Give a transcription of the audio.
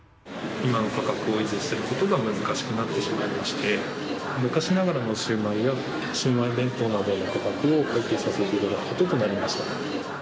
なんとか維持していくことが難しくなってしまいまして、昔ながらのシウマイや、シウマイ弁当などの価格を改定させていただくこととなりました。